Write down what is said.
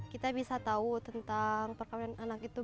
kita bisa tahu tentang perkawinan anak itu